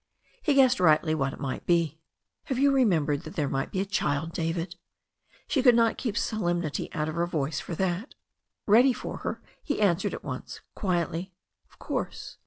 He guessed rightly what it might be. "Have you remembered that there may be a child, David ?" She could not keep solemnity out of her tone for that. Ready for her, he answered at once quietly. "Of course.